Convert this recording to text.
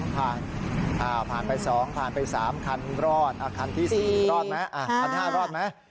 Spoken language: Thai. ผ่านไป๒ผ่านไป๓คันรอดคันที่๔รอดมั้ยคันที่๕รอดมั้ย